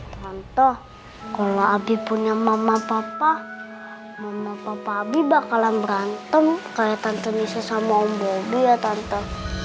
contoh kalau abi punya mama papa mama papa abi bakalan berantem kayak tante misi sama om bobi ya tante